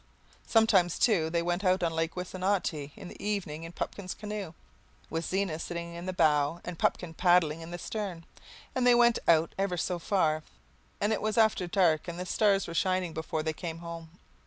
Sometimes, too, they went out on Lake Wissanotti in the evening in Pupkin's canoe, with Zena sitting in the bow and Pupkin paddling in the stern and they went out ever so far and it was after dark and the stars were shining before they came home.